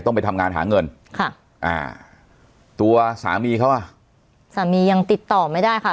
ต้องไปทำงานหาเงินค่ะอ่าตัวสามีเขาอ่ะสามียังติดต่อไม่ได้ค่ะ